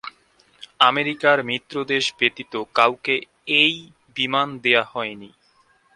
আমেরিকার মিত্র দেশ ব্যতীত কাউকে এই বিমান দেয়া হয়নি।